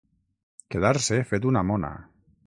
Quedar-se fet una mona.